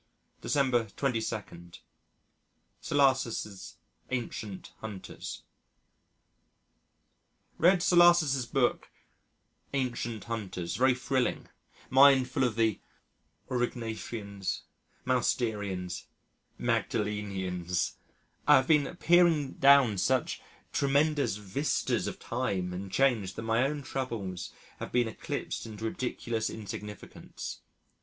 December 22. Sollas's "Ancient Hunters" Read Sollas's book Ancient Hunters very thrilling mind full of the Aurignacians, Mousterians, Magdalenians! I have been peering down such tremendous vistas of time and change that my own troubles have been eclipsed into ridiculous insignificance.